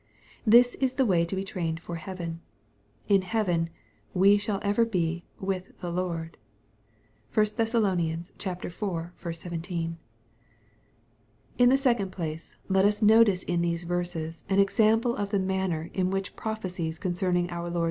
This is the way to be trained for heaven. In heaven, " wo shall ever be with the Lord,'* (1 Thess. iv. 17.) In the second place, let us notice in these verses an ex ample of the manner in which prophecies concerning our Lord!